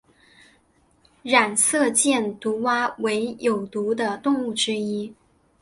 染色箭毒蛙为有毒的动物之一。